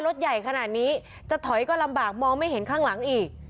รถใหญ่ขนาดนี้จะถอยก็ลำบากมองไม่เห็นข้างหลังอีก